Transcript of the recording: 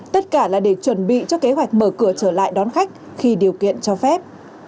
tất cả là để chuẩn bị cho kế hoạch mở cửa trở lại đón khách khi điều kiện cho phép